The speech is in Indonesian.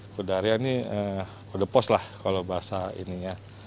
kode area ini kode pos lah kalau bahasa ini ya